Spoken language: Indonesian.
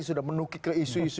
sudah menukik ke isu isu